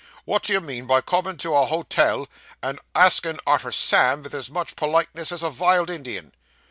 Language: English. What do you mean by comin' to a hot el, and asking arter Sam, vith as much politeness as a vild Indian?